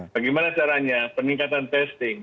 bagaimana caranya peningkatan testing